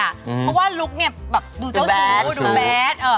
เพราะว่าลุคดูเจ้าชีวิตดูแบด